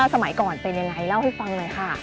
สมัยก่อนเป็นยังไงเล่าให้ฟังหน่อยค่ะ